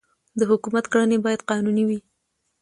د حکومت کړنې باید قانوني وي